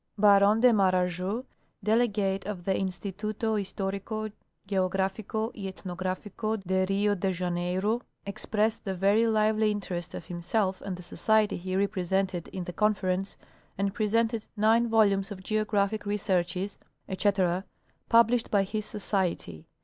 Baron de Marajo, delegate of the Instituto Historico Geog rafico y Ethnografico de Rio de Janeiro, expressed the very lively interest of himself and the society he represented in the Confer ence, and i^resented nine volumes of geographic researches, etc, published by his society.